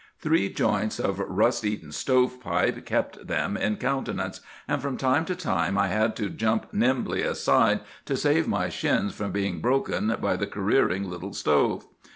Three joints of rust eaten stovepipe kept them in countenance, and from time to time I had to jump nimbly aside to save my shins from being broken by the careering little stove.